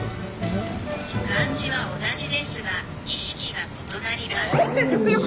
「漢字は同じですが意識が異なります」。